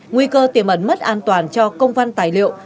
nguy cơ tiềm ẩn mất an toàn cho công văn tài liệu